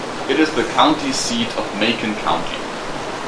It is the county seat of Macon County.